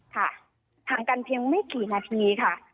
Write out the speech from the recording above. ห่างกันเพียงไม่กี่นาทีค่ะ